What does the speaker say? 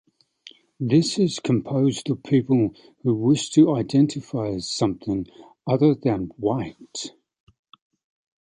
This is composed of people who wish to identify as something other than white.